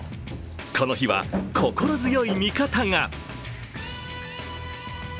この日は心強い味方が。